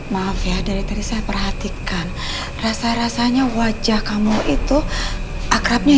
maaf ya dari tadi saya perhatikan rasa rasanya wajah kamu itu akrabnya